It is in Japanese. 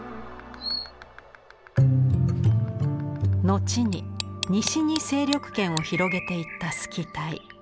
後に西に勢力圏を広げていったスキタイ。